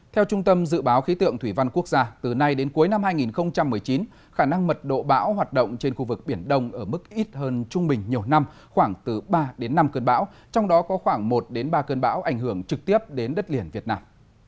theo trung tâm dự báo khí tượng thủy văn quốc gia từ nay đến cuối năm hai nghìn một mươi chín khả năng mật độ bão hoạt động trên khu vực biển đông ở mức ít hơn trung bình nhiều năm khoảng từ ba đến năm cơn bão trong đó có khoảng một đến ba cơn bão ảnh hưởng trực tiếp đến đất liền việt nam